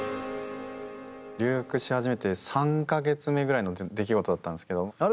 留学し始めて３か月目ぐらいの出来事だったんですけどある